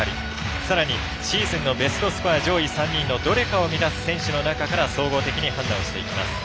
さらにシーズンのベストスコア上位の選手からどれかを満たす選手の中から総合的に判断をしていきます。